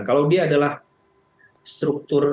kalau dia adalah struktur